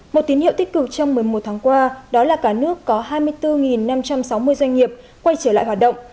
một tín hiệu tích cực trong một mươi một tháng qua đó là cả nước có hai mươi bốn năm trăm sáu mươi doanh nghiệp quay trở lại hoạt động